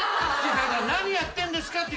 何やってんですかって。